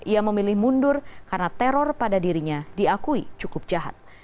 ia memilih mundur karena teror pada dirinya diakui cukup jahat